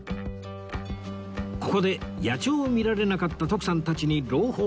ここで野鳥を見られなかった徳さんたちに朗報！